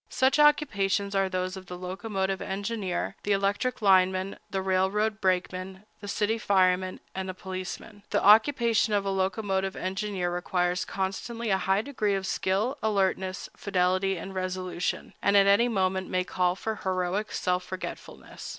Such occupations are those of the locomotive engineer, the electric lineman, the railroad brakeman, the city fireman, and the policeman. The occupation of the locomotive engineer requires constantly a high degree of skill, alertness, fidelity, and resolution, and at any moment may call for heroic self forgetfulness.